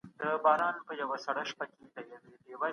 سياسي مشروعيت د ولس له بشپړ رضايت څخه ترلاسه کيږي.